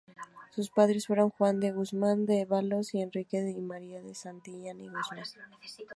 Sus padres fueron Juan de Guzmán-Dávalos y Enríquez y María de Santillán y Guzmán.